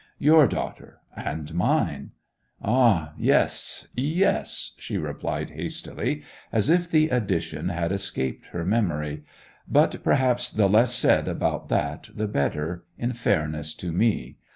'Your daughter—and mine.' 'Ah—yes, yes,' she replied hastily, as if the addition had escaped her memory. 'But perhaps the less said about that the better, in fairness to me.